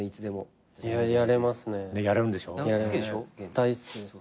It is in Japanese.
大好きです。